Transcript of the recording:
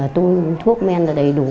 tôi thuốc men là đầy đủ